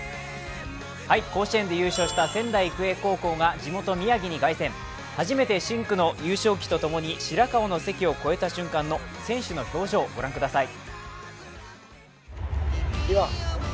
甲子園で優勝した仙台育英高校が地元・宮城に凱旋、初めて深紅の優勝旗と共に白河の関を越えた瞬間の選手の顔、御覧ください。